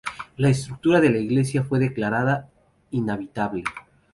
La estructura de la iglesia fue declarada inhabitable.